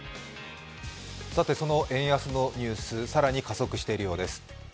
その円安のニュース、更に加速しているようです。